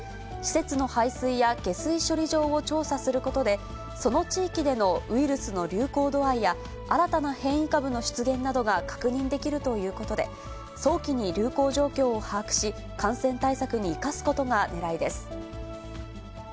施設の排水や下水処理場を調査することで、その地域でのウイルスの流行度合いや、新たな変異株の出現などが確認できるということで、早期に流行状況を把握し、感染対策に生かすことがねらいです。